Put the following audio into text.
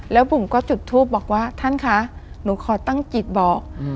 แล้วบุ๋มก็จุดทูปบอกว่าท่านคะหนูขอตั้งจิตบอก